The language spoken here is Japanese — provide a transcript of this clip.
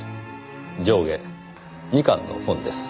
上下２巻の本です。